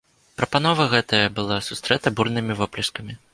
Прапанова гэтая была сустрэта бурнымі воплескамі.